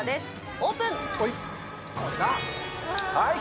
オープン。